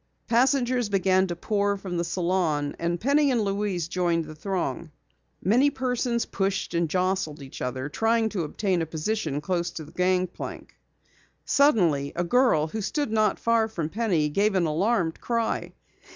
Passengers began to pour from the salon, and Penny and Louise joined the throng. Many persons pushed and jostled each other, trying to obtain a position close to the gangplank. Suddenly a girl who stood not far from Penny gave an alarmed cry.